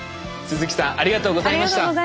鈴木さんありがとうございました。